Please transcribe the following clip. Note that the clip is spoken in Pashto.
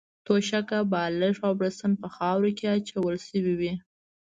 توشکه، بالښت او بړستنه په خاورو کې اچول شوې وې.